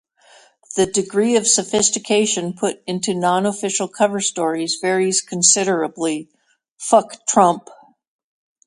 The degree of sophistication put into non-official cover stories varies considerably.